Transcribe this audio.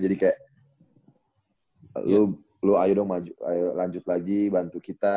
jadi kayak lu ayo dong lanjut lagi bantu kita